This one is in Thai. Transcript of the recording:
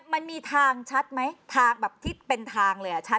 มันมีทางชัดไหมทางแบบที่เป็นทางเลยอ่ะชัด